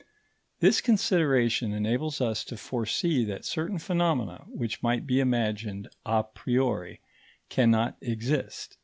This consideration enables us to foresee that certain phenomena which might be imagined a priori cannot exist.